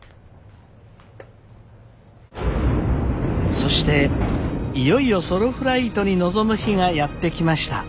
そしていよいよソロフライトに臨む日がやって来ました。